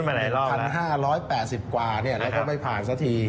๑๕๘๐กว่าแล้วก็ไม่ผ่านสักที